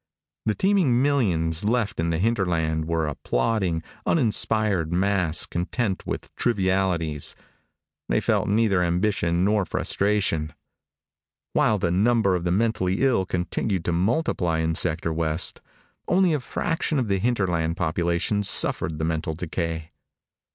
The teeming millions left in the hinterland were a plodding, uninspired mass content with trivialities. They felt neither ambition nor frustration. While the number of the mentally ill continued to multiply in Sector West, only a fraction of the hinterland population suffered the mental decay.